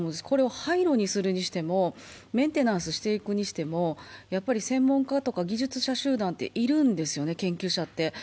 これを廃炉にするにしても、メンテナンスしていくにしても、専門家とか技術者集団っているんですよね、専門家って。